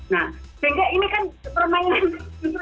nah sehingga ini kan permainan